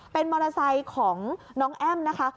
เป็นมอเตอร์ไซค์ของน้องแอ้มนะคะ